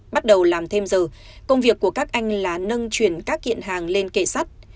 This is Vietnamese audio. bắt đầu làm thêm giờ công việc của các anh là nâng chuyển các kiện hàng lên kệ sắt